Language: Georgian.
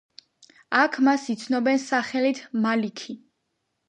აქ მას იცნობენ სახელით მალიქი.